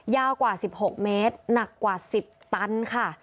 ยาวกว่าสิบหกเมตรหนักกว่าสิบตันค่ะ